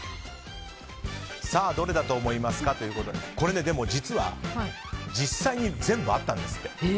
どれだと思いますかということでこれ実は実際に全部あったんですって。